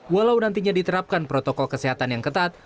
walau nantinya diterapkan protokol kesehatan yang ketat